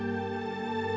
terima kasih bang